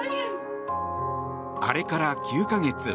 あらから９か月。